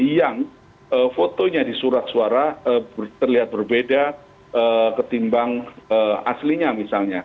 yang fotonya di surat suara terlihat berbeda ketimbang aslinya misalnya